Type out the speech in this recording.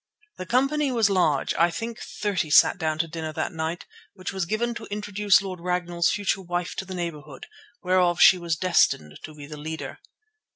The company was large; I think thirty sat down to dinner that night, which was given to introduce Lord Ragnall's future wife to the neighbourhood, whereof she was destined to be the leader.